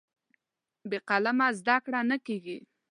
بې قلمه زده کړه نه کېږي.